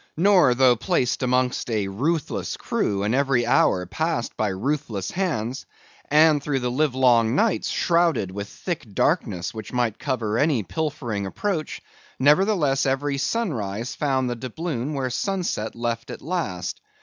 Nor, though placed amongst a ruthless crew and every hour passed by ruthless hands, and through the livelong nights shrouded with thick darkness which might cover any pilfering approach, nevertheless every sunrise found the doubloon where the sunset left it last.